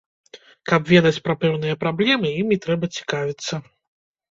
Каб ведаць пра пэўныя праблемы, імі трэба цікавіцца.